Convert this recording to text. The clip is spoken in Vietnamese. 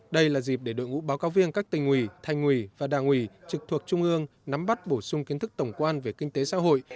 đây là dịp để đội ngũ báo cáo viên các tỉnh ủy thành ủy và đảng ủy trực thuộc trung ương nắm bắt bổ sung kiến thức tổng quan về kinh tế xã hội